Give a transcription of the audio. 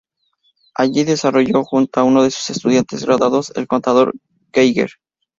Allí desarrolló, junto a uno de sus estudiantes graduados, el contador Geiger.